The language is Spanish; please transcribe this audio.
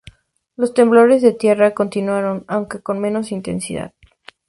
Los temblores de tierra continuaron, aunque con menos intensidad.